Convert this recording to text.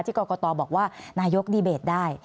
กรกตบอกว่านายกดีเบตได้